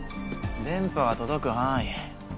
電波が届く範囲？